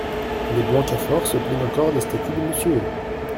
Les Blancafort se plaignent encore des statues de Monsieur.